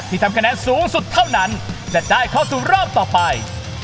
ทำคะแนนสูงสุดเท่านั้นจะได้เข้าสู่รอบต่อไป